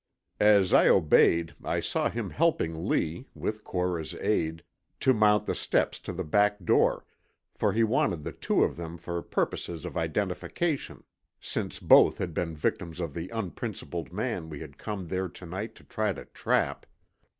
As I obeyed I saw him helping Lee, with Cora's aid, to mount the steps to the back door, for he wanted the two of them for purposes of identification, since both had been victims of the unprincipled man we had come there to night to try to trap.